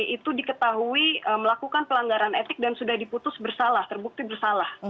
itu diketahui melakukan pelanggaran etik dan sudah diputus bersalah terbukti bersalah